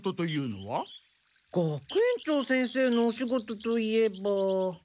学園長先生のお仕事といえば。